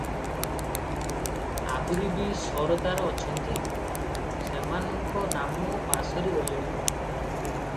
ଆହୁରି ବି ସରଦାର ଅଛନ୍ତି, ସେମାନଙ୍କ ନାମ ପାସୋରି ଗଲିଣି ।